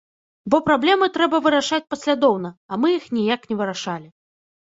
Бо праблемы трэба вырашаць паслядоўна, а мы іх ніяк не вырашалі.